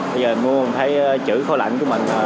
bây giờ mình mua mình thấy chữ kho lạnh của mình